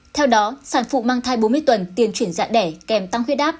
theo đó sản phụ mang thai bốn mươi tuần tiền chuyển dạng đẻ kèm tăng huyết áp